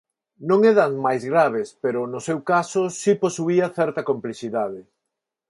Non é das máis graves pero, no seu caso, si posuía certa complexidade.